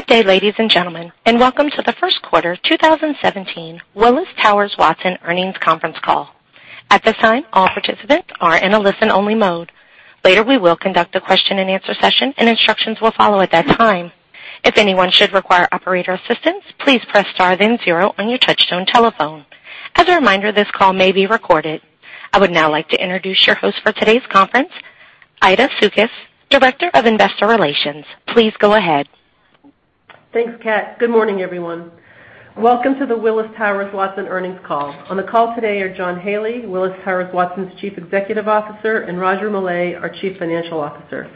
Good day, ladies and gentlemen. Welcome to the first quarter 2017 Willis Towers Watson Earnings Conference Call. At this time, all participants are in a listen-only mode. Later, we will conduct a question and answer session, and instructions will follow at that time. If anyone should require operator assistance, please press star then zero on your touchtone telephone. As a reminder, this call may be recorded. I would now like to introduce your host for today's conference, Aimee DeCamillo, Director of Investor Relations. Please go ahead. Thanks, Kat. Good morning, everyone. Welcome to the Willis Towers Watson earnings call. On the call today are John Haley, Willis Towers Watson's Chief Executive Officer, and Roger Millay, our Chief Financial Officer.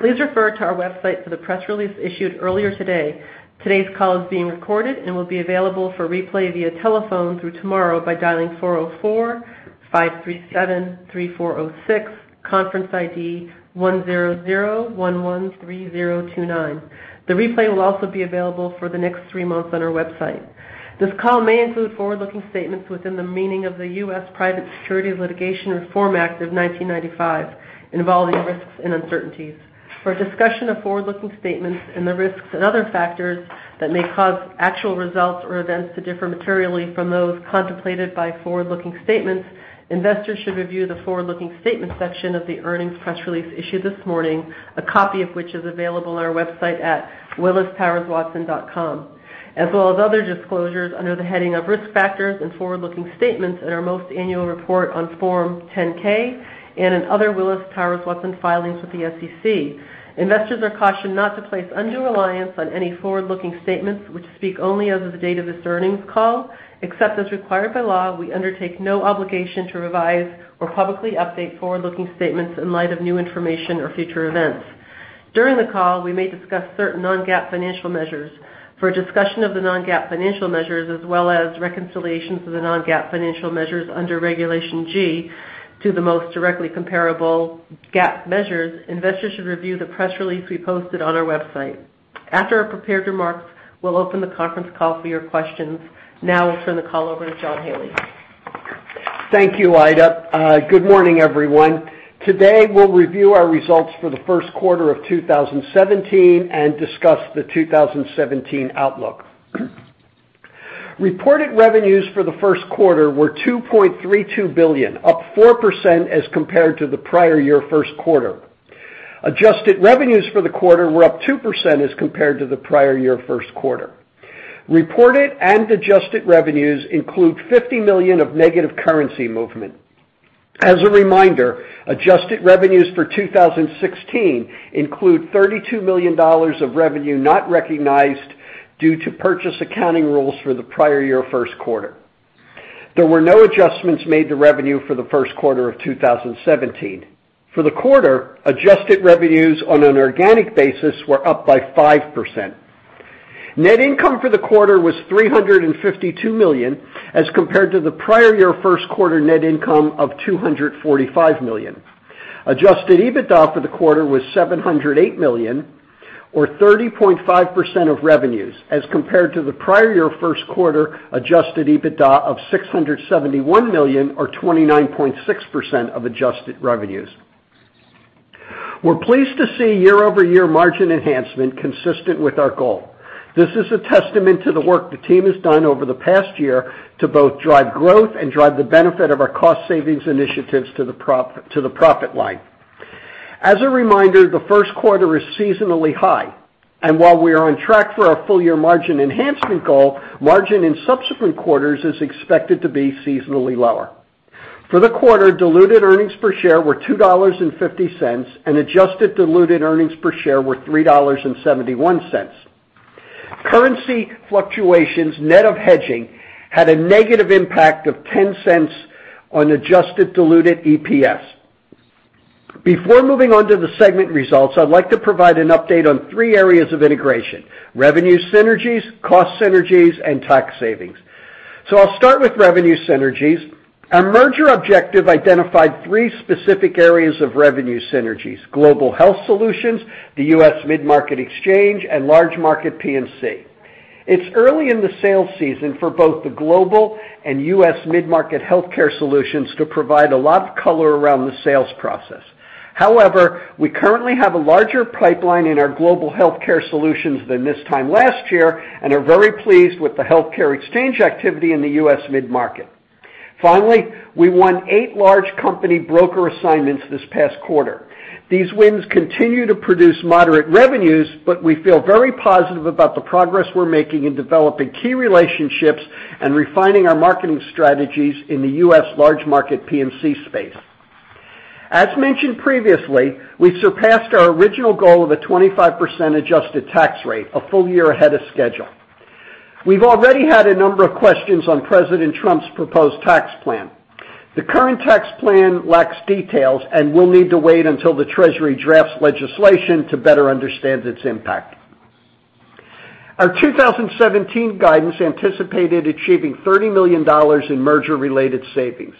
Please refer to our website for the press release issued earlier today. Today's call is being recorded and will be available for replay via telephone through tomorrow by dialing 404-537-3406, conference ID 100113029. The replay will also be available for the next three months on our website. This call may include forward-looking statements within the meaning of the U.S. Private Securities Litigation Reform Act of 1995, involving risks and uncertainties. For a discussion of forward-looking statements and the risks and other factors that may cause actual results or events to differ materially from those contemplated by forward-looking statements, investors should review the forward-looking statement section of the earnings press release issued this morning, a copy of which is available on our website at willistowerswatson.com, as well as other disclosures under the heading of Risk Factors and Forward-Looking Statements in our most annual report on Form 10-K and in other Willis Towers Watson filings with the SEC. Investors are cautioned not to place undue reliance on any forward-looking statements, which speak only as of the date of this earnings call. Except as required by law, we undertake no obligation to revise or publicly update forward-looking statements in light of new information or future events. During the call, we may discuss certain non-GAAP financial measures. For a discussion of the non-GAAP financial measures, as well as reconciliations of the non-GAAP financial measures under Regulation G to the most directly comparable GAAP measures, investors should review the press release we posted on our website. After our prepared remarks, we'll open the conference call for your questions. Now I'll turn the call over to John Haley. Thank you, Aimee. Good morning, everyone. Today, we'll review our results for the first quarter of 2017 and discuss the 2017 outlook. Reported revenues for the first quarter were $2.32 billion, up 4% as compared to the prior year first quarter. Adjusted revenues for the quarter were up 2% as compared to the prior year first quarter. Reported and adjusted revenues include $50 million of negative currency movement. As a reminder, adjusted revenues for 2016 include $32 million of revenue not recognized due to purchase accounting rules for the prior year first quarter. There were no adjustments made to revenue for the first quarter of 2017. For the quarter, adjusted revenues on an organic basis were up by 5%. Net income for the quarter was $352 million, as compared to the prior year first quarter net income of $245 million. Adjusted EBITDA for the quarter was $708 million, or 30.5% of revenues, as compared to the prior year first quarter adjusted EBITDA of $671 million, or 29.6% of adjusted revenues. We're pleased to see year-over-year margin enhancement consistent with our goal. This is a testament to the work the team has done over the past year to both drive growth and drive the benefit of our cost savings initiatives to the profit line. As a reminder, the first quarter is seasonally high. While we are on track for our full-year margin enhancement goal, margin in subsequent quarters is expected to be seasonally lower. For the quarter, diluted earnings per share were $2.50, and adjusted diluted earnings per share were $3.71. Currency fluctuations net of hedging had a negative impact of $0.10 on adjusted diluted EPS. Before moving on to the segment results, I'd like to provide an update on three areas of integration, revenue synergies, cost synergies, and tax savings. I'll start with revenue synergies. Our merger objective identified three specific areas of revenue synergies, global health solutions, the U.S. mid-market exchange, and large market P&C. It's early in the sales season for both the global and U.S. mid-market healthcare solutions to provide a lot of color around the sales process. However, we currently have a larger pipeline in our global healthcare solutions than this time last year and are very pleased with the healthcare exchange activity in the U.S. mid-market. Finally, we won eight large company broker assignments this past quarter. We feel very positive about the progress we're making in developing key relationships and refining our marketing strategies in the U.S. large market P&C space. As mentioned previously, we've surpassed our original goal of a 25% adjusted tax rate a full year ahead of schedule. We've already had a number of questions on President Trump's proposed tax plan. The current tax plan lacks details, we'll need to wait until the Treasury drafts legislation to better understand its impact. Our 2017 guidance anticipated achieving $30 million in merger-related savings.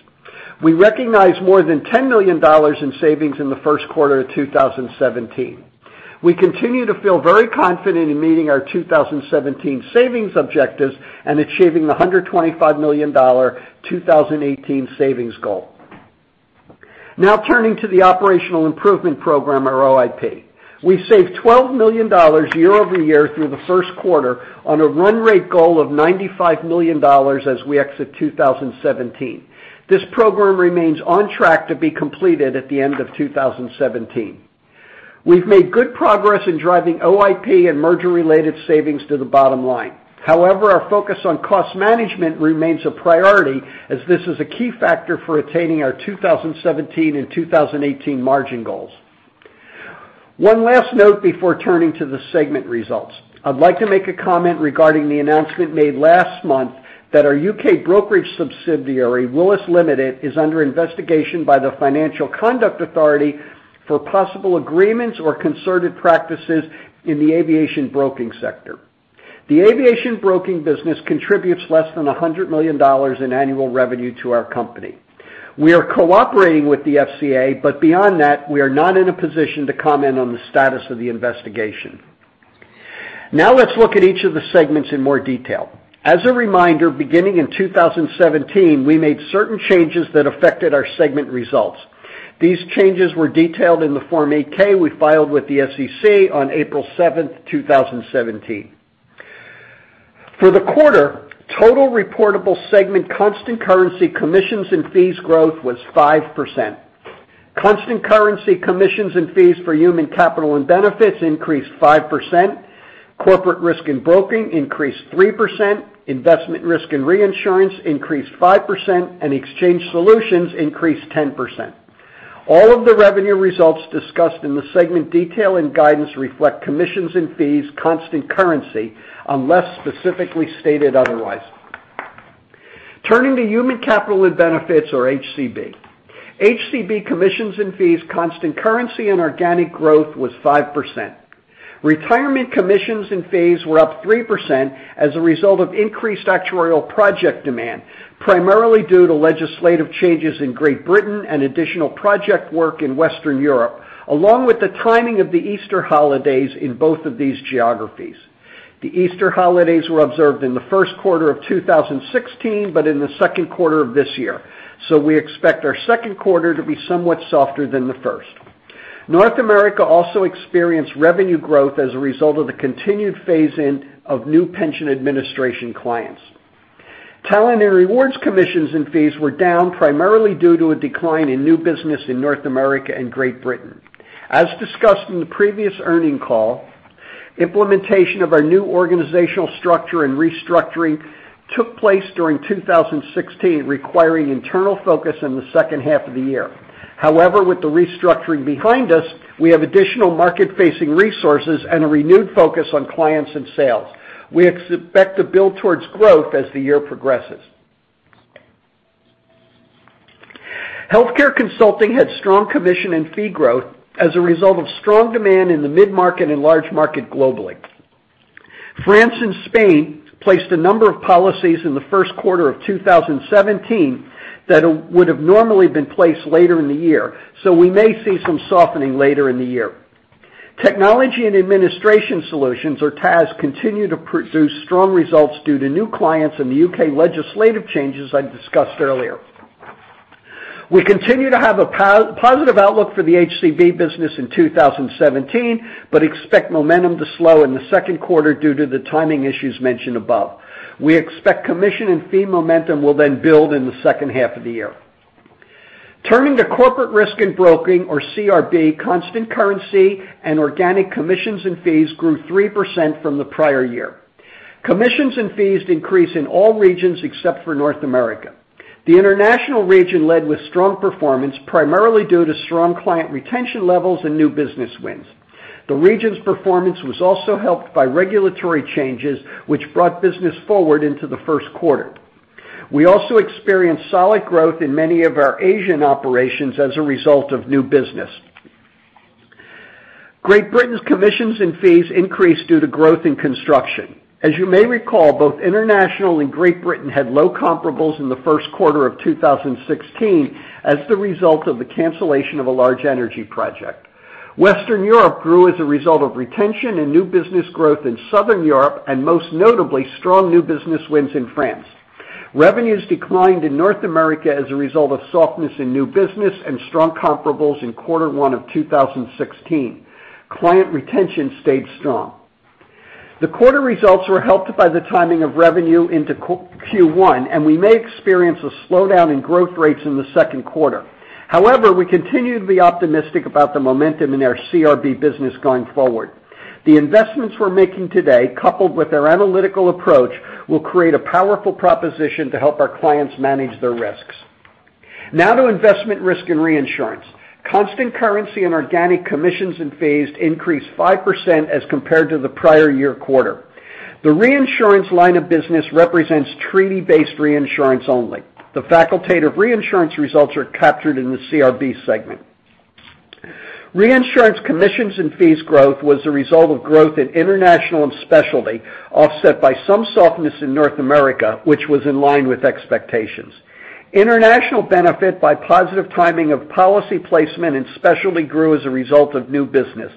We recognized more than $10 million in savings in the first quarter of 2017. We continue to feel very confident in meeting our 2017 savings objectives and achieving the $125 million 2018 savings goal. Turning to the operational improvement program, or OIP. We saved $12 million year-over-year through the first quarter on a run rate goal of $95 million as we exit 2017. This program remains on track to be completed at the end of 2017. We've made good progress in driving OIP and merger related savings to the bottom line. Our focus on cost management remains a priority as this is a key factor for attaining our 2017 and 2018 margin goals. One last note before turning to the segment results. I'd like to make a comment regarding the announcement made last month that our U.K. brokerage subsidiary, Willis Limited, is under investigation by the Financial Conduct Authority for possible agreements or concerted practices in the aviation broking sector. The aviation broking business contributes less than $100 million in annual revenue to our company. We are cooperating with the FCA. Beyond that, we are not in a position to comment on the status of the investigation. Let's look at each of the segments in more detail. As a reminder, beginning in 2017, we made certain changes that affected our segment results. These changes were detailed in the Form 8-K we filed with the SEC on April 7, 2017. For the quarter, total reportable segment constant currency commissions and fees growth was 5%. Constant currency commissions and fees for human capital and benefits increased 5%, corporate risk and broking increased 3%, investment risk and reinsurance increased 5%, and Exchange Solutions increased 10%. All of the revenue results discussed in the segment detail and guidance reflect commissions and fees constant currency, unless specifically stated otherwise. Turning to human capital and benefits, or HCB. HCB commissions and fees constant currency and organic growth was 5%. Retirement commissions and fees were up 3% as a result of increased actuarial project demand, primarily due to legislative changes in Great Britain and additional project work in Western Europe, along with the timing of the Easter holidays in both of these geographies. The Easter holidays were observed in the first quarter of 2016, but in the second quarter of this year. We expect our second quarter to be somewhat softer than the first. North America also experienced revenue growth as a result of the continued phase-in of new pension administration clients. Talent and rewards commissions and fees were down, primarily due to a decline in new business in North America and Great Britain. As discussed in the previous earning call, implementation of our new organizational structure and restructuring took place during 2016, requiring internal focus in the second half of the year. With the restructuring behind us, we have additional market facing resources and a renewed focus on clients and sales. We expect to build towards growth as the year progresses. Healthcare consulting had strong commission and fee growth as a result of strong demand in the mid-market and large market globally. France and Spain placed a number of policies in the first quarter of 2017 that would have normally been placed later in the year. We may see some softening later in the year. Technology and administration solutions, or TAS, continue to produce strong results due to new clients in the U.K. legislative changes I discussed earlier. We continue to have a positive outlook for the HCB business in 2017, but expect momentum to slow in the second quarter due to the timing issues mentioned above. We expect commission and fee momentum will build in the second half of the year. Turning to Corporate Risk and Broking, or CRB, constant currency and organic commissions and fees grew 3% from the prior year. Commissions and fees increased in all regions except for North America. The International region led with strong performance, primarily due to strong client retention levels and new business wins. The region's performance was also helped by regulatory changes, which brought business forward into the first quarter. We also experienced solid growth in many of our Asian operations as a result of new business. Great Britain's commissions and fees increased due to growth in construction. As you may recall, both International and Great Britain had low comparables in the first quarter of 2016 as the result of the cancellation of a large energy project. Western Europe grew as a result of retention and new business growth in Southern Europe, most notably, strong new business wins in France. Revenues declined in North America as a result of softness in new business and strong comparables in quarter one of 2016. Client retention stayed strong. The quarter results were helped by the timing of revenue into Q1, we may experience a slowdown in growth rates in the second quarter. However, we continue to be optimistic about the momentum in our CRB business going forward. The investments we're making today, coupled with our analytical approach, will create a powerful proposition to help our clients manage their risks. Now to Investment Risk and Reinsurance. Constant currency and organic commissions and fees increased 5% as compared to the prior year quarter. The reinsurance line of business represents treaty-based reinsurance only. The facultative reinsurance results are captured in the CRB segment. Reinsurance commissions and fees growth was the result of growth in International and Specialty, offset by some softness in North America, which was in line with expectations. International benefit by positive timing of policy placement and Specialty grew as a result of new business.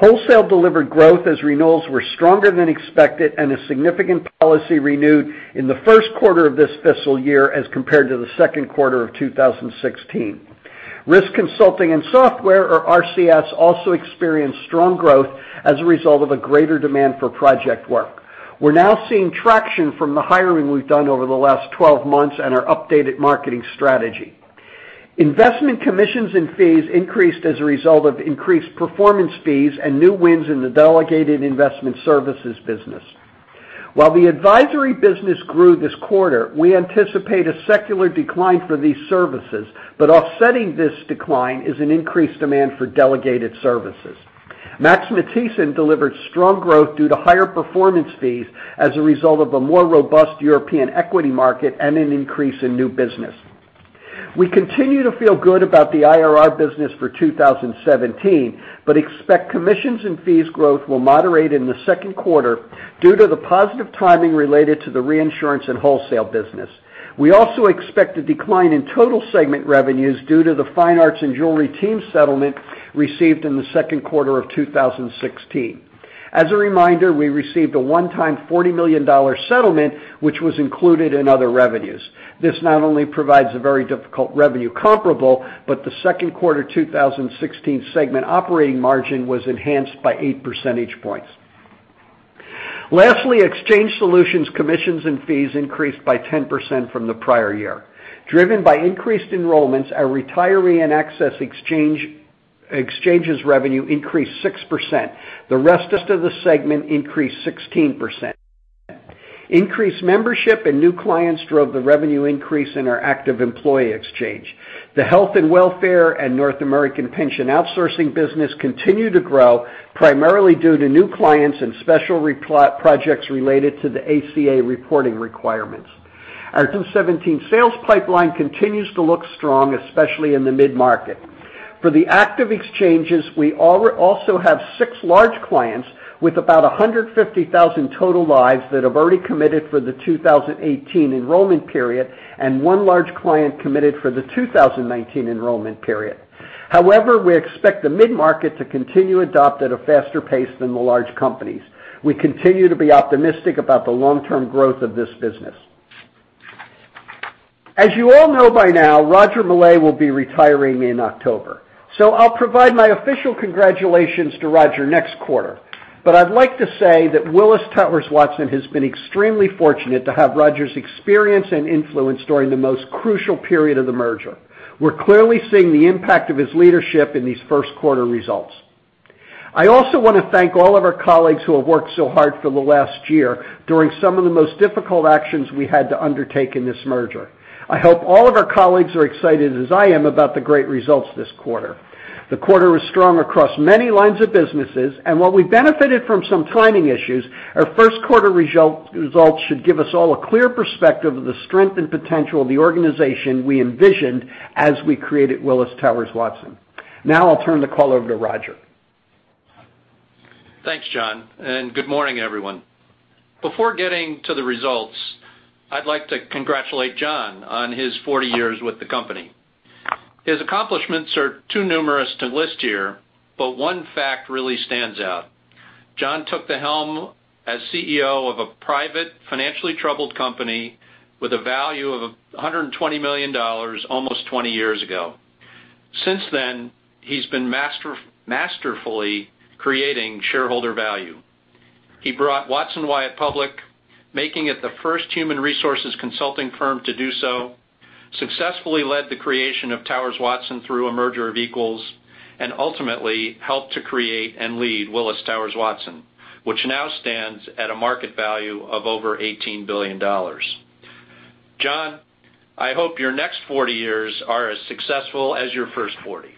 Wholesale delivered growth as renewals were stronger than expected and a significant policy renewed in the first quarter of this fiscal year as compared to the second quarter of 2016. Risk Consulting and Software, or RCS, also experienced strong growth as a result of a greater demand for project work. We're now seeing traction from the hiring we've done over the last 12 months and our updated marketing strategy. Investment commissions and fees increased as a result of increased performance fees and new wins in the delegated investment services business. While the advisory business grew this quarter, we anticipate a secular decline for these services, offsetting this decline is an increased demand for delegated services. Max Matthiessen delivered strong growth due to higher performance fees as a result of a more robust European equity market and an increase in new business. We continue to feel good about the IRR business for 2017, expect commissions and fees growth will moderate in the second quarter due to the positive timing related to the reinsurance and wholesale business. We also expect a decline in total segment revenues due to the fine arts and jewelry team settlement received in the second quarter of 2016. As a reminder, we received a one-time $40 million settlement, which was included in other revenues. This not only provides a very difficult revenue comparable, but the second quarter 2016 segment operating margin was enhanced by eight percentage points. Lastly, Exchange Solutions commissions and fees increased by 10% from the prior year. Driven by increased enrollments, our Retiree and Access Exchanges revenue increased 6%. The rest of the segment increased 16%. Increased membership and new clients drove the revenue increase in our active employee exchange. The health and welfare and North American pension outsourcing business continue to grow, primarily due to new clients and special projects related to the ACA reporting requirements. Our 2017 sales pipeline continues to look strong, especially in the mid-market. For the active exchanges, we also have six large clients with about 150,000 total lives that have already committed for the 2018 enrollment period, and one large client committed for the 2019 enrollment period. We expect the mid-market to continue to adopt at a faster pace than the large companies. We continue to be optimistic about the long-term growth of this business. As you all know by now, Roger Millay will be retiring in October, I'll provide my official congratulations to Roger next quarter. I'd like to say that Willis Towers Watson has been extremely fortunate to have Roger's experience and influence during the most crucial period of the merger. We're clearly seeing the impact of his leadership in these first quarter results. I also want to thank all of our colleagues who have worked so hard for the last year during some of the most difficult actions we had to undertake in this merger. I hope all of our colleagues are excited as I am about the great results this quarter. The quarter was strong across many lines of businesses, and while we benefited from some timing issues, our first quarter results should give us all a clear perspective of the strength and potential of the organization we envisioned as we created Willis Towers Watson. Now I'll turn the call over to Roger. Thanks, John, and good morning, everyone. Before getting to the results, I'd like to congratulate John on his 40 years with the company. His accomplishments are too numerous to list here, but one fact really stands out. John took the helm as CEO of a private, financially troubled company with a value of $120 million almost 20 years ago. Since then, he's been masterfully creating shareholder value. He brought Watson Wyatt public, making it the first human resources consulting firm to do so, successfully led the creation of Towers Watson through a merger of equals, and ultimately helped to create and lead Willis Towers Watson, which now stands at a market value of over $18 billion. John, I hope your next 40 years are as successful as your first 40.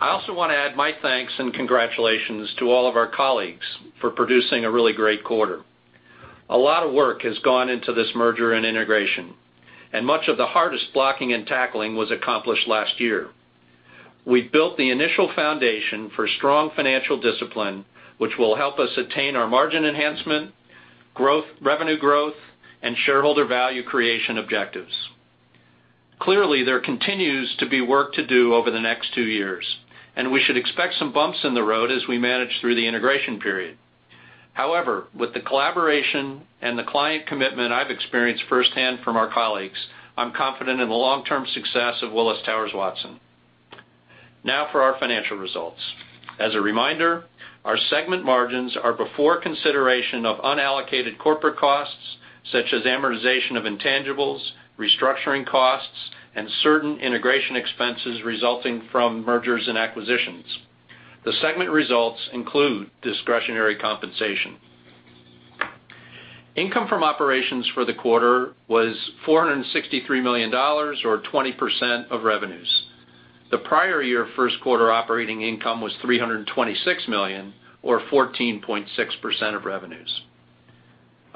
I also want to add my thanks and congratulations to all of our colleagues for producing a really great quarter. A lot of work has gone into this merger and integration. Much of the hardest blocking and tackling was accomplished last year. We've built the initial foundation for strong financial discipline, which will help us attain our margin enhancement, revenue growth, and shareholder value creation objectives. Clearly, there continues to be work to do over the next two years. We should expect some bumps in the road as we manage through the integration period. However, with the collaboration and the client commitment I've experienced firsthand from our colleagues, I'm confident in the long-term success of Willis Towers Watson. Now for our financial results. As a reminder, our segment margins are before consideration of unallocated corporate costs, such as amortization of intangibles, restructuring costs, and certain integration expenses resulting from mergers and acquisitions. The segment results include discretionary compensation. Income from operations for the quarter was $463 million, or 20% of revenues. The prior year first quarter operating income was $326 million, or 14.6% of revenues.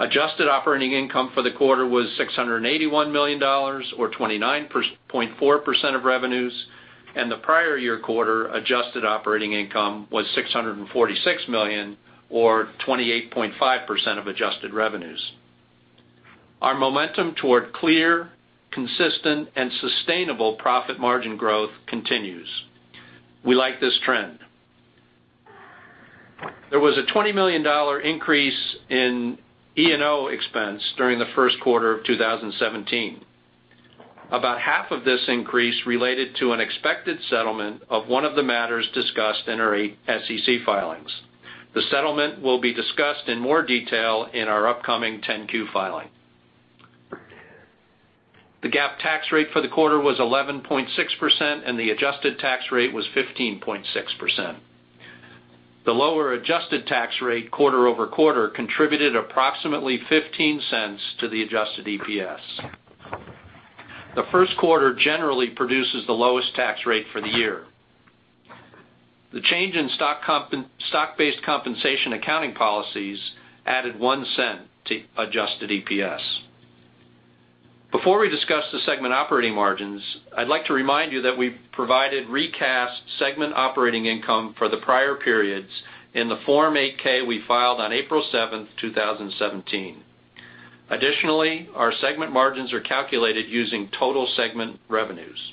Adjusted operating income for the quarter was $681 million, or 29.4% of revenues. The prior year quarter adjusted operating income was $646 million, or 28.5% of adjusted revenues. Our momentum toward clear, consistent, and sustainable profit margin growth continues. We like this trend. There was a $20 million increase in E&O expense during the first quarter of 2017. About half of this increase related to an expected settlement of one of the matters discussed in our SEC filings. The settlement will be discussed in more detail in our upcoming 10-Q filing. The GAAP tax rate for the quarter was 11.6%. The adjusted tax rate was 15.6%. The lower adjusted tax rate quarter-over-quarter contributed approximately $0.15 to the adjusted EPS. The first quarter generally produces the lowest tax rate for the year. The change in stock-based compensation accounting policies added $0.01 to adjusted EPS. Before we discuss the segment operating margins, I'd like to remind you that we provided recast segment operating income for the prior periods in the Form 8-K we filed on April 7th, 2017. Additionally, our segment margins are calculated using total segment revenues.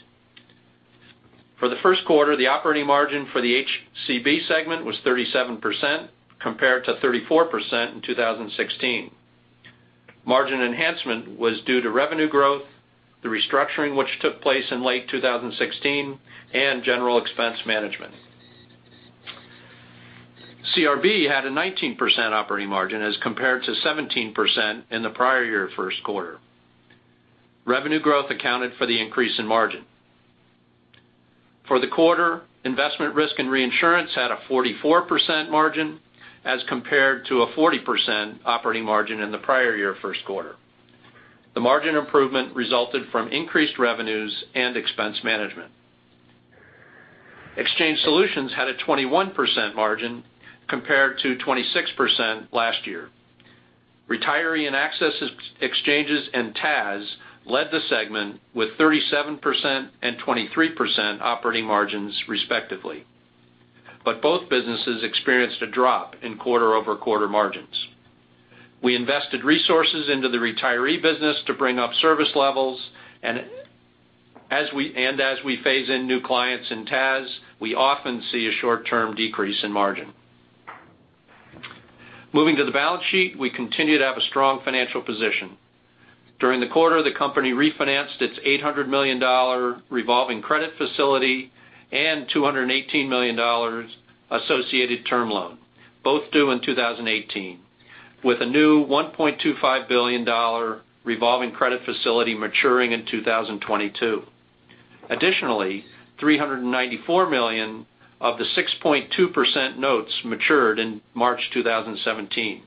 For the first quarter, the operating margin for the HCB segment was 37%, compared to 34% in 2016. Margin enhancement was due to revenue growth, the restructuring which took place in late 2016, and general expense management. CRB had a 19% operating margin as compared to 17% in the prior year first quarter. Revenue growth accounted for the increase in margin. For the quarter, investment risk and reinsurance had a 44% margin as compared to a 40% operating margin in the prior year first quarter. The margin improvement resulted from increased revenues and expense management. Exchange Solutions had a 21% margin, compared to 26% last year. Retiree and Access Exchanges and TAS led the segment with 37% and 23% operating margins, respectively. Both businesses experienced a drop in quarter-over-quarter margins. We invested resources into the retiree business to bring up service levels. As we phase in new clients in TAS, we often see a short-term decrease in margin. Moving to the balance sheet, we continue to have a strong financial position. During the quarter, the company refinanced its $800 million revolving credit facility and $218 million associated term loan, both due in 2018, with a new $1.25 billion revolving credit facility maturing in 2022. Additionally, $394 million of the 6.2% notes matured in March 2017.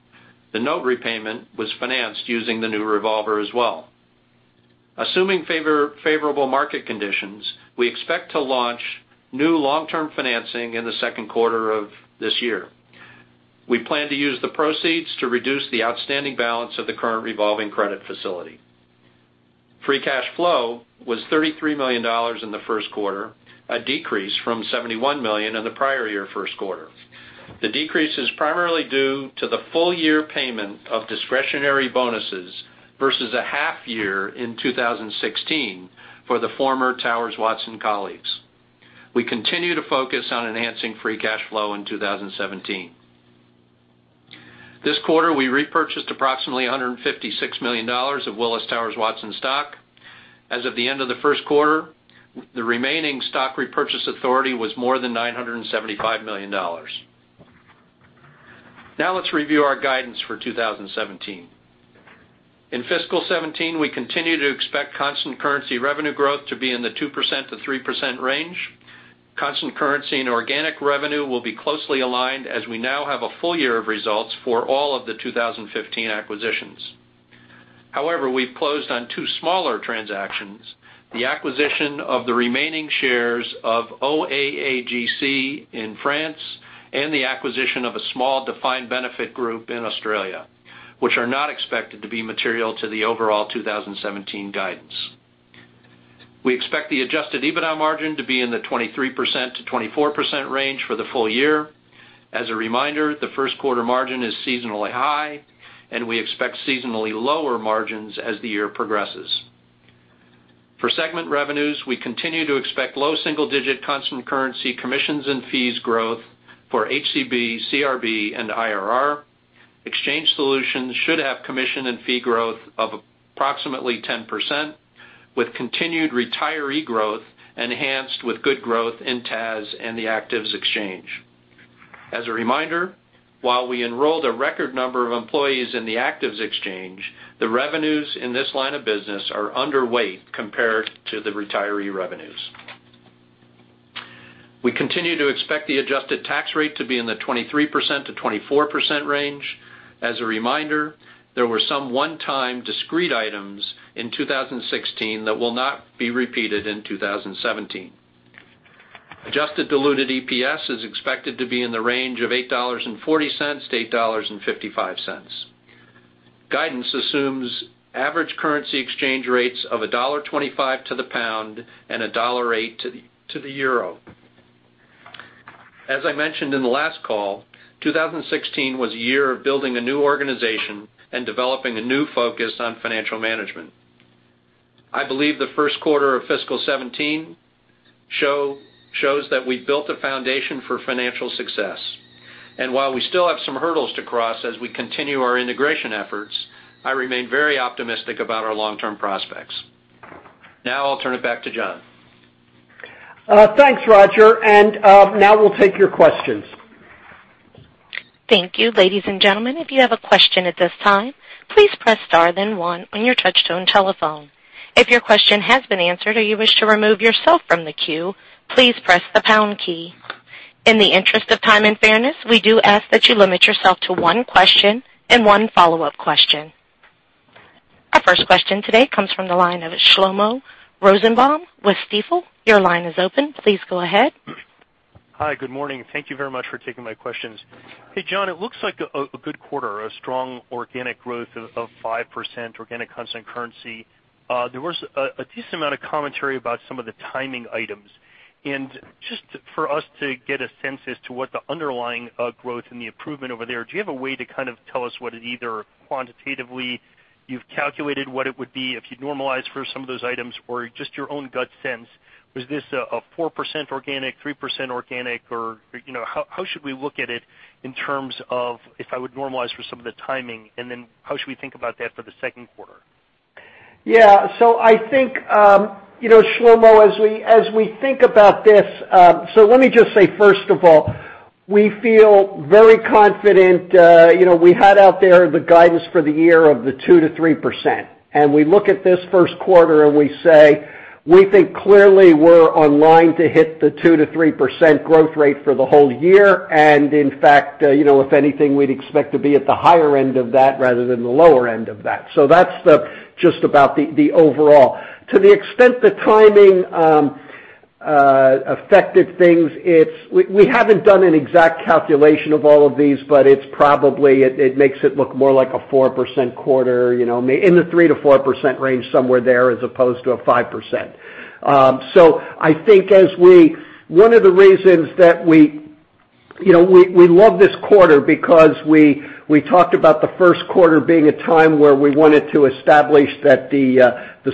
The note repayment was financed using the new revolver as well. Assuming favorable market conditions, we expect to launch new long-term financing in the second quarter of this year. We plan to use the proceeds to reduce the outstanding balance of the current revolving credit facility. Free cash flow was $33 million in the first quarter, a decrease from $71 million in the prior year first quarter. The decrease is primarily due to the full year payment of discretionary bonuses versus a half year in 2016 for the former Towers Watson colleagues. We continue to focus on enhancing free cash flow in 2017. This quarter, we repurchased approximately $156 million of Willis Towers Watson stock. As of the end of the first quarter, the remaining stock repurchase authority was more than $975 million. Let's review our guidance for 2017. In FY 2017, we continue to expect constant currency revenue growth to be in the 2%-3% range. Constant currency and organic revenue will be closely aligned as we now have a full year of results for all of the 2015 acquisitions. However, we've closed on two smaller transactions, the acquisition of the remaining shares of OAAGC in France and the acquisition of a small defined benefit group in Australia, which are not expected to be material to the overall 2017 guidance. We expect the adjusted EBITDA margin to be in the 23%-24% range for the full year. As a reminder, the first quarter margin is seasonally high, and we expect seasonally lower margins as the year progresses. For segment revenues, we continue to expect low single-digit constant currency commissions and fees growth for HCB, CRB, and IRR. Exchange Solutions should have commission and fee growth of approximately 10%, with continued retiree growth enhanced with good growth in TAS and the actives exchange. As a reminder, while we enrolled a record number of employees in the actives exchange, the revenues in this line of business are underweight compared to the retiree revenues. We continue to expect the adjusted tax rate to be in the 23%-24% range. As a reminder, there were some one-time discrete items in 2016 that will not be repeated in 2017. Adjusted diluted EPS is expected to be in the range of $8.40-$8.55. Guidance assumes average currency exchange rates of $1.25 to the pound and $1.08 to the euro. As I mentioned in the last call, 2016 was a year of building a new organization and developing a new focus on financial management. I believe the first quarter of FY 2017 shows that we've built a foundation for financial success, and while we still have some hurdles to cross as we continue our integration efforts, I remain very optimistic about our long-term prospects. I'll turn it back to John. Thanks, Roger. Now we'll take your questions. Thank you. Ladies and gentlemen, if you have a question at this time, please press star then one on your touch-tone telephone. If your question has been answered or you wish to remove yourself from the queue, please press the pound key. In the interest of time and fairness, we do ask that you limit yourself to one question and one follow-up question. Our first question today comes from the line of Shlomo Rosenbaum with Stifel. Your line is open. Please go ahead. Hi. Good morning. Thank you very much for taking my questions. Hey, John, it looks like a good quarter, a strong organic growth of 5%, organic constant currency. There was a decent amount of commentary about some of the timing items. Just for us to get a sense as to what the underlying growth and the improvement over there, do you have a way to kind of tell us what it either quantitatively you've calculated what it would be if you normalize for some of those items or just your own gut sense? Was this a 4% organic, 3% organic, or how should we look at it in terms of if I would normalize for some of the timing? Then how should we think about that for the second quarter? Yeah. I think, Shlomo, as we think about this, let me just say, first of all, we feel very confident. We had out there the guidance for the year of the 2%-3%. We look at this first quarter, and we say, we think clearly we're on line to hit the 2%-3% growth rate for the whole year. In fact, if anything, we'd expect to be at the higher end of that rather than the lower end of that. That's just about the overall. To the extent the timing affected things, we haven't done an exact calculation of all of these, but it's probably it makes it look more like a 4% quarter, in the 3%-4% range, somewhere there, as opposed to a 5%. One of the reasons that we love this quarter because we talked about the first quarter being a time where we wanted to establish that the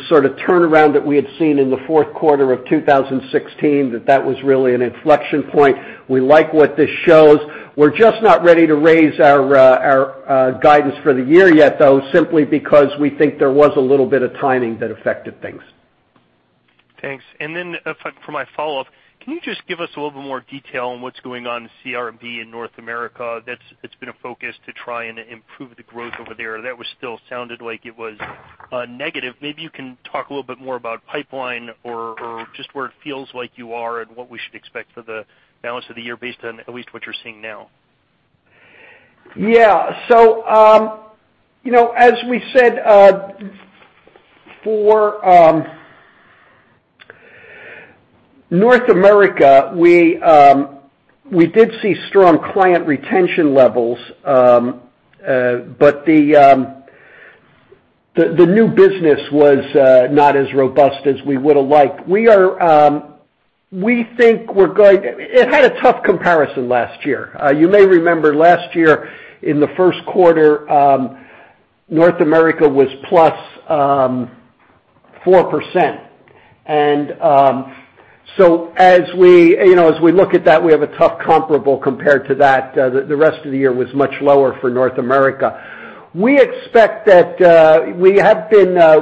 sort of turnaround that we had seen in the fourth quarter of 2016, that that was really an inflection point. We like what this shows. We're just not ready to raise our guidance for the year yet, though, simply because we think there was a little bit of timing that affected things. Thanks. For my follow-up, can you just give us a little bit more detail on what's going on in CRB in North America? That's been a focus to try and improve the growth over there. That was still sounded like it was negative. Maybe you can talk a little bit more about pipeline or just where it feels like you are and what we should expect for the balance of the year based on at least what you're seeing now. Yeah. As we said, for North America, we did see strong client retention levels, but the new business was not as robust as we would have liked. It had a tough comparison last year. You may remember last year in the first quarter, North America was +4%. As we look at that, we have a tough comparable compared to that. The rest of the year was much lower for North America. We have been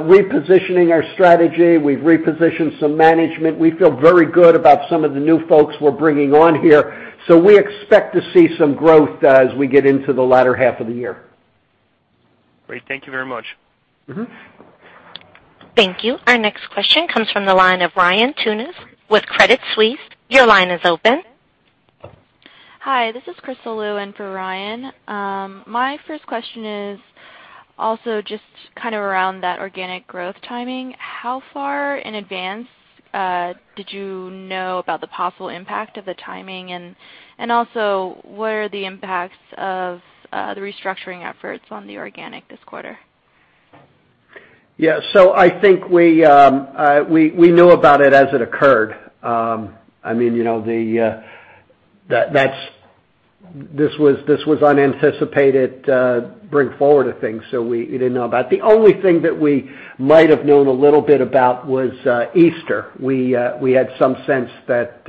repositioning our strategy. We've repositioned some management. We feel very good about some of the new folks we're bringing on here. We expect to see some growth as we get into the latter half of the year. Great. Thank you very much. Thank you. Our next question comes from the line of Ryan Tunis with Credit Suisse. Your line is open. Hi, this is Crystal Lu in for Ryan. My first question is also just kind of around that organic growth timing. How far in advance did you know about the possible impact of the timing, and also, what are the impacts of the restructuring efforts on the organic this quarter? Yeah. I think we knew about it as it occurred. This was unanticipated bring forward of things, we didn't know about. The only thing that we might have known a little bit about was Easter. We had some sense that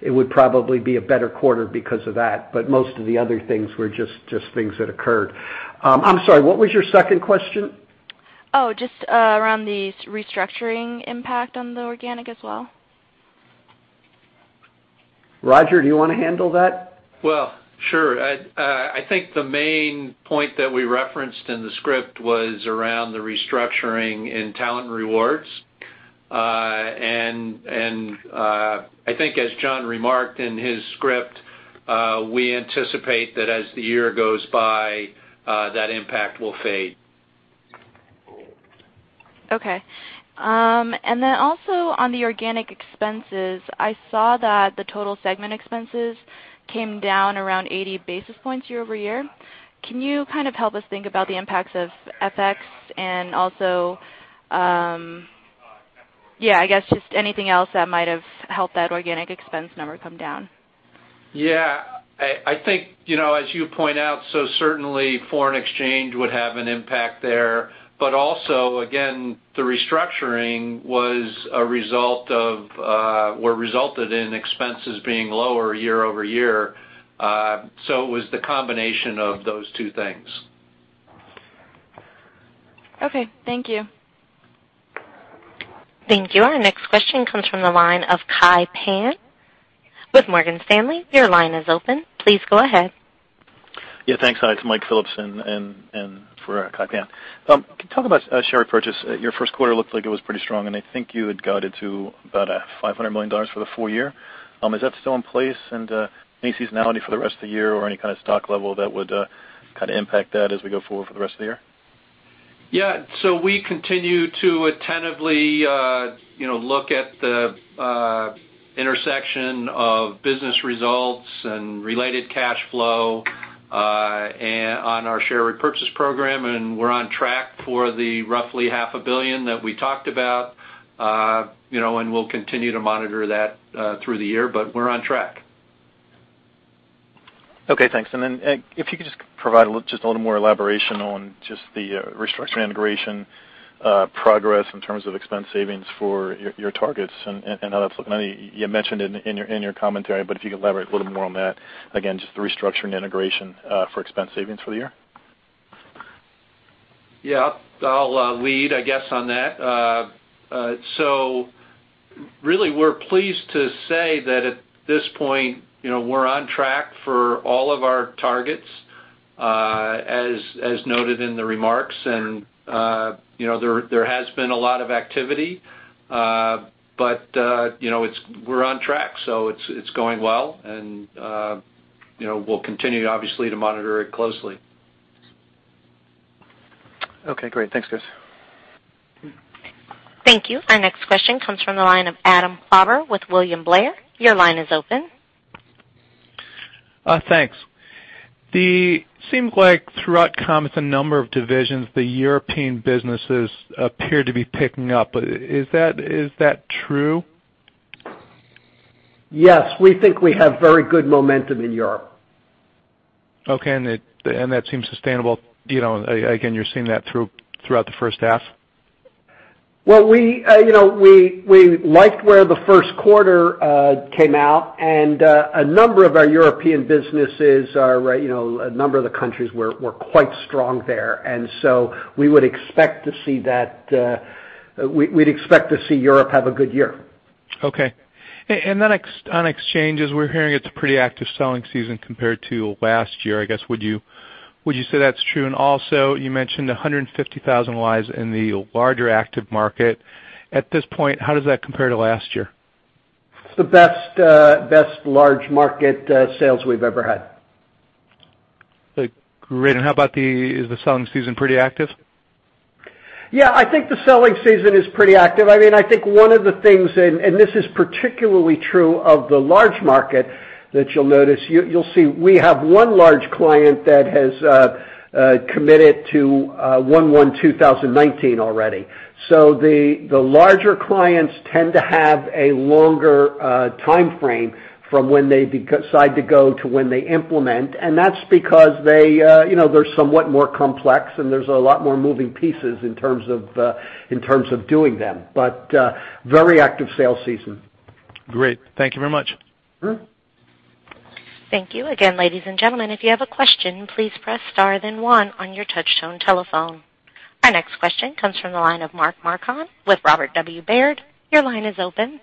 it would probably be a better quarter because of that, but most of the other things were just things that occurred. I'm sorry, what was your second question? Oh, just around the restructuring impact on the organic as well. Roger, do you want to handle that? Well, sure. I think the main point that we referenced in the script was around the restructuring in Talent and Rewards. I think as John remarked in his script, we anticipate that as the year goes by, that impact will fade. Okay. Also on the organic expenses, I saw that the total segment expenses came down around 80 basis points year-over-year. Can you kind of help us think about the impacts of FX and also Yeah, I guess just anything else that might have helped that organic expense number come down. Yeah. I think, as you point out, certainly foreign exchange would have an impact there, also, again, the restructuring resulted in expenses being lower year-over-year. It was the combination of those two things. Okay, thank you. Thank you. Our next question comes from the line of Kai Pan with Morgan Stanley. Your line is open. Please go ahead. Thanks. Hi, it's Mike Phillips in for Kai Pan. Can you talk about share repurchase? Your first quarter looked like it was pretty strong, and I think you had guided to about $500 million for the full year. Is that still in place, and any seasonality for the rest of the year or any kind of stock level that would kind of impact that as we go forward for the rest of the year? We continue to attentively look at the intersection of business results and related cash flow on our share repurchase program, and we're on track for the roughly half a billion that we talked about. We'll continue to monitor that through the year, but we're on track. Okay, thanks. If you could just provide just a little more elaboration on just the restructuring integration progress in terms of expense savings for your targets and how that's looking. I know you mentioned it in your commentary, if you could elaborate a little more on that, again, just the restructuring and integration for expense savings for the year. Yeah. I'll lead, I guess, on that. Really, we're pleased to say that at this point, we're on track for all of our targets, as noted in the remarks. There has been a lot of activity, we're on track, it's going well, and we'll continue, obviously, to monitor it closely. Okay, great. Thanks, guys. Thank you. Our next question comes from the line of Adam Klauber with William Blair. Your line is open. Thanks. It seems like throughout comments in a number of divisions, the European businesses appear to be picking up. Is that true? Yes. We think we have very good momentum in Europe. Okay. That seems sustainable. Again, you're seeing that throughout the first half? Well, we liked where the first quarter came out, and a number of our European businesses, a number of the countries were quite strong there. We'd expect to see Europe have a good year. Okay. On exchanges, we're hearing it's a pretty active selling season compared to last year. I guess, would you say that's true? Also, you mentioned 150,000 lives in the larger active market. At this point, how does that compare to last year? It's the best large market sales we've ever had. Great. How about, is the selling season pretty active? Yeah, I think the selling season is pretty active. I think one of the things, this is particularly true of the large market that you'll notice. You'll see we have one large client that has committed to 1/1/2019 already. The larger clients tend to have a longer timeframe from when they decide to go to when they implement, that's because they're somewhat more complex, there's a lot more moving pieces in terms of doing them. Very active sales season. Great. Thank you very much. Thank you. Again, ladies and gentlemen, if you have a question, please press star then one on your touchtone telephone. Our next question comes from the line of Mark Marcon with Robert W. Baird. Your line is open.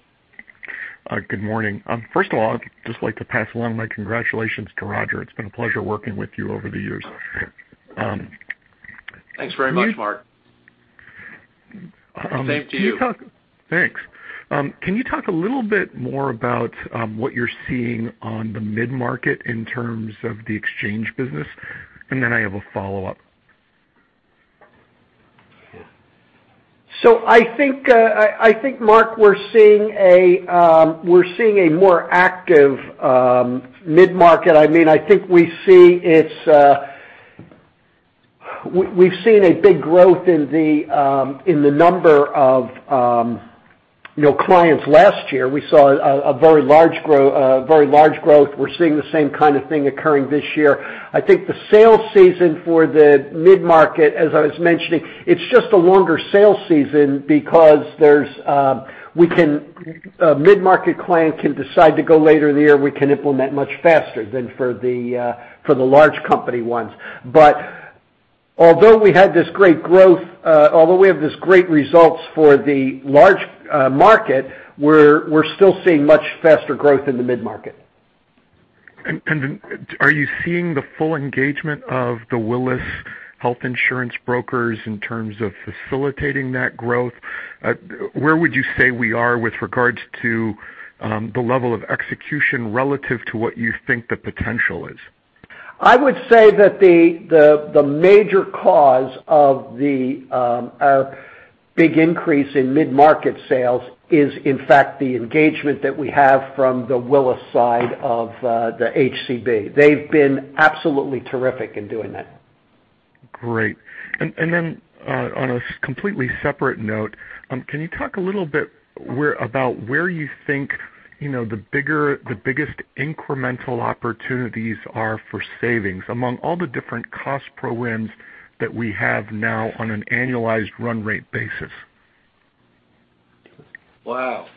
Good morning. First of all, I'd just like to pass along my congratulations to Roger. It's been a pleasure working with you over the years. Thanks very much, Mark. Same to you. Thanks. Can you talk a little bit more about what you're seeing on the mid-market in terms of the exchange business? I have a follow-up. I think, Mark, we're seeing a more active mid-market. We've seen a big growth in the number of clients. Last year, we saw a very large growth. We're seeing the same kind of thing occurring this year. I think the sales season for the mid-market, as I was mentioning, it's just a longer sales season because a mid-market client can decide to go later in the year, we can implement much faster than for the large company ones. Although we have these great results for the large market, we're still seeing much faster growth in the mid-market. Are you seeing the full engagement of the Willis health insurance brokers in terms of facilitating that growth? Where would you say we are with regards to the level of execution relative to what you think the potential is? I would say that the major cause of the big increase in mid-market sales is, in fact, the engagement that we have from the Willis side of the HCB. They've been absolutely terrific in doing that. Great. On a completely separate note, can you talk a little bit about where you think the biggest incremental opportunities are for savings among all the different cost programs that we have now on an annualized run rate basis? Wow.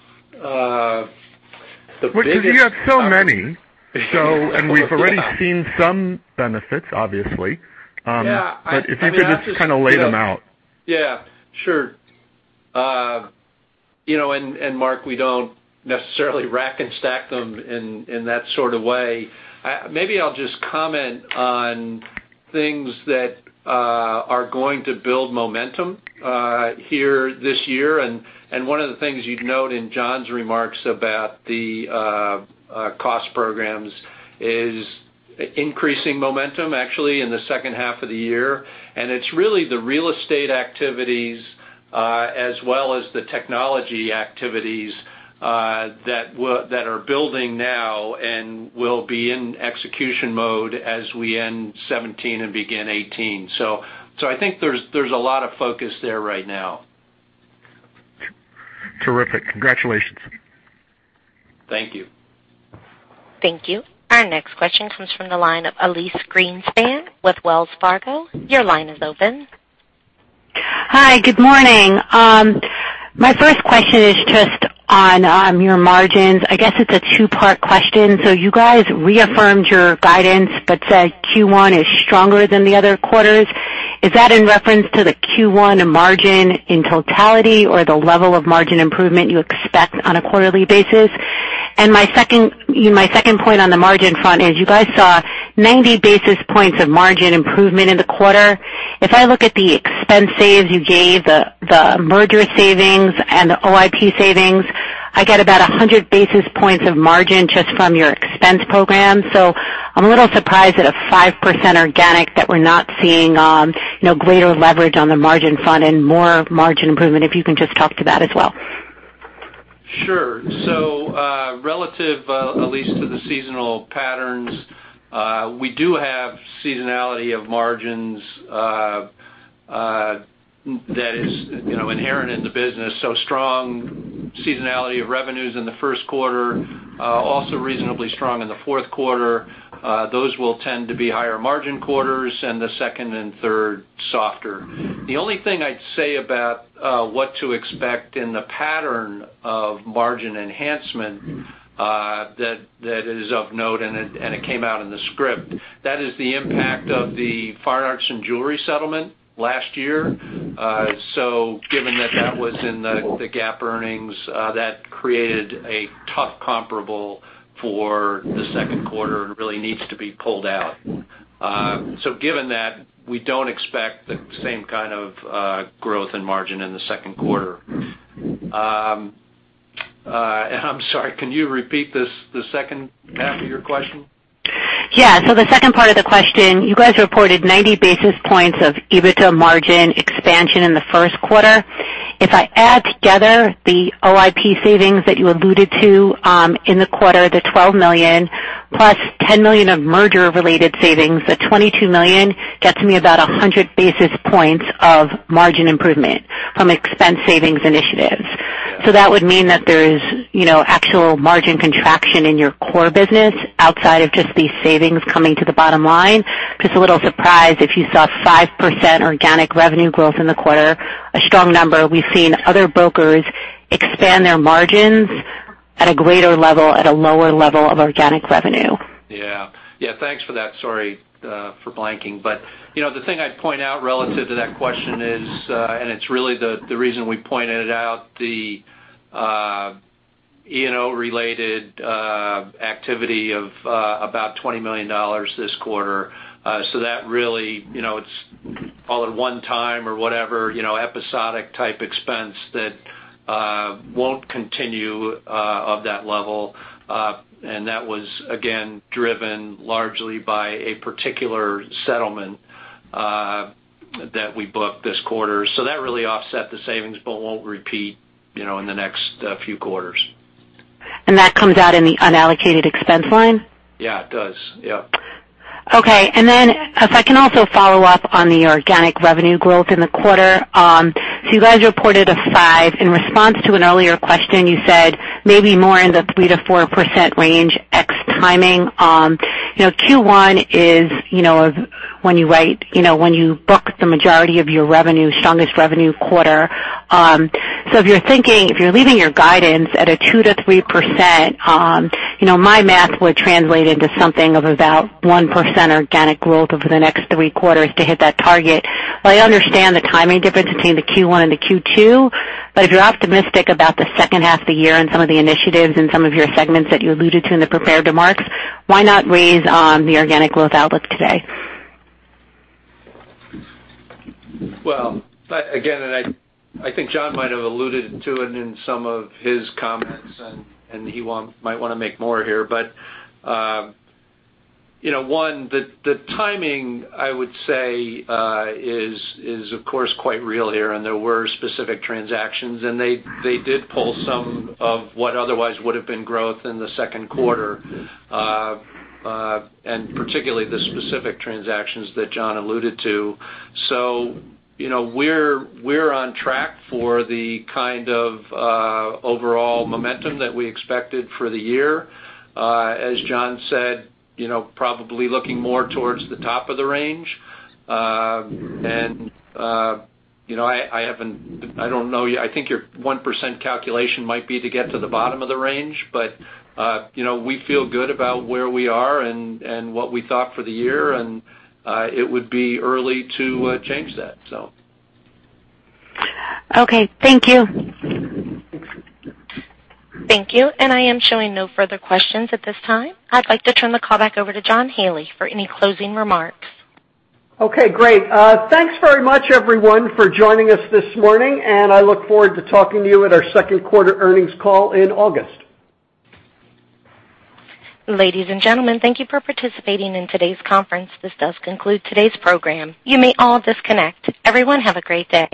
Which is you have so many, and we've already seen some benefits, obviously. Yeah. If you could just kind of lay them out. Yeah, sure. Mark, we don't necessarily rack and stack them in that sort of way. Maybe I'll just comment on things that are going to build momentum here this year. One of the things you'd note in John's remarks about the cost programs is increasing momentum, actually, in the second half of the year. It's really the real estate activities, as well as the technology activities, that are building now and will be in execution mode as we end 2017 and begin 2018. I think there's a lot of focus there right now. Terrific. Congratulations. Thank you. Thank you. Our next question comes from the line of Elyse Greenspan with Wells Fargo. Your line is open. Hi, good morning. My first question is just on your margins. I guess it's a two-part question. You guys reaffirmed your guidance, but said Q1 is stronger than the other quarters. Is that in reference to the Q1 margin in totality or the level of margin improvement you expect on a quarterly basis? My second point on the margin front is you guys saw 90 basis points of margin improvement in the quarter. If I look at the expense saves you gave, the merger savings and the OIP savings, I get about 100 basis points of margin just from your expense program. I'm a little surprised at a 5% organic that we're not seeing greater leverage on the margin front and more margin improvement, if you can just talk to that as well. Sure. Relative, Elyse, to the seasonal patterns, we do have seasonality of margins that is inherent in the business, strong seasonality of revenues in the first quarter, also reasonably strong in the fourth quarter. Those will tend to be higher margin quarters, and the second and third, softer. The only thing I'd say about what to expect in the pattern of margin enhancement that is of note, and it came out in the script, that is the impact of the fine arts and jewelry settlement last year. Given that that was in the GAAP earnings, that created a tough comparable for the second quarter and really needs to be pulled out. Given that, we don't expect the same kind of growth in margin in the second quarter. I'm sorry, can you repeat the second half of your question? Yeah. The second part of the question, you guys reported 90 basis points of EBITDA margin expansion in the first quarter. If I add together the OIP savings that you alluded to in the quarter, the $12 million, plus $10 million of merger-related savings, the $22 million gets me about 100 basis points of margin improvement from expense savings initiatives. Yeah. That would mean that there is actual margin contraction in your core business outside of just these savings coming to the bottom line. Just a little surprised if you saw 5% organic revenue growth in the quarter, a strong number. We've seen other brokers expand their margins at a greater level at a lower level of organic revenue. Yeah. Thanks for that. Sorry for blanking. The thing I'd point out relative to that question is, it's really the reason we pointed it out, the E&O related activity of about $20 million this quarter. That really, it's all at one time or whatever, episodic type expense that won't continue of that level. That was, again, driven largely by a particular settlement that we booked this quarter. That really offset the savings but won't repeat in the next few quarters. That comes out in the unallocated expense line? Yeah, it does. Yep. Okay. If I can also follow up on the organic revenue growth in the quarter. You guys reported a five. In response to an earlier question, you said maybe more in the 3%-4% range ex timing. Q1 is when you book the majority of your revenue, strongest revenue quarter. If you're leaving your guidance at a 2%-3%, my math would translate into something of about 1% organic growth over the next three quarters to hit that target. While I understand the timing difference between the Q1 and the Q2, if you're optimistic about the second half of the year and some of the initiatives in some of your segments that you alluded to in the prepared remarks, why not raise the organic growth outlook today? Again, I think John might have alluded to it in some of his comments, and he might want to make more here, but one, the timing, I would say, is of course quite real here, and there were specific transactions, and they did pull some of what otherwise would've been growth in the second quarter, and particularly the specific transactions that John alluded to. We're on track for the kind of overall momentum that we expected for the year. As John said, probably looking more towards the top of the range. I don't know, I think your 1% calculation might be to get to the bottom of the range. We feel good about where we are and what we thought for the year, and it would be early to change that. Okay. Thank you. Thank you. I am showing no further questions at this time. I'd like to turn the call back over to John Haley for any closing remarks. Okay, great. Thanks very much, everyone, for joining us this morning. I look forward to talking to you at our second quarter earnings call in August. Ladies and gentlemen, thank you for participating in today's conference. This does conclude today's program. You may all disconnect. Everyone, have a great day.